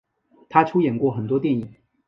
她出演过很多电影。